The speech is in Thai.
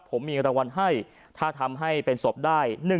ผมมีรางวัลให้ถ้าทำให้เป็นศพได้